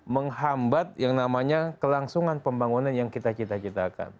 menghambat yang namanya kelangsungan pembangunan yang kita cita citakan